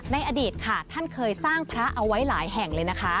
อดีตค่ะท่านเคยสร้างพระเอาไว้หลายแห่งเลยนะคะ